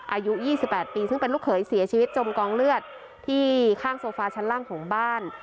อายุ๒๘ปีซึ่งเป็นลูกเขยเสียชีวิตจมกองเลือดที่ข้างโซฟาชั้นล่างของบ้าน